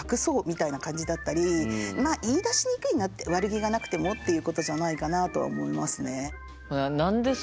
どうしてもやっぱり悪気がなくてもっていうことじゃないかなとは思いますね。